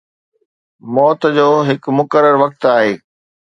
موت جو هڪ مقرر وقت آهي